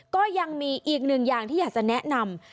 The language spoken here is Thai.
ก็ยังมีอีกหนึ่งอย่างที่อยากจะแนะนำ